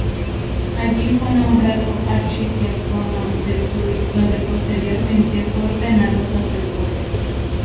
Allí fue nombrado archidiácono de Tuy, donde posteriormente fue ordenado sacerdote.